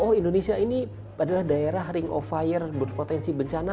oh indonesia ini adalah daerah ring of fire berpotensi bencana